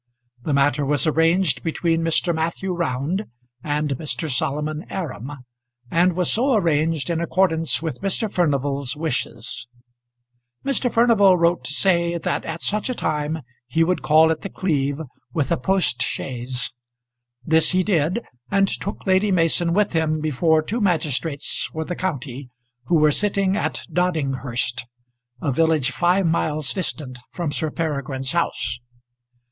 The matter was arranged between Mr. Matthew Round and Mr. Solomon Aram, and was so arranged in accordance with Mr. Furnival's wishes. Mr. Furnival wrote to say that at such a time he would call at The Cleeve with a post chaise. This he did, and took Lady Mason with him before two magistrates for the county who were sitting at Doddinghurst, a village five miles distant from Sir Peregrine's house.